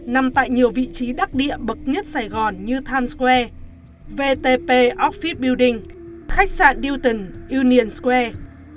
nằm tại nhiều vị trí đắc địa bậc nhất sài gòn như times square vtp office beading khách sạn newton union square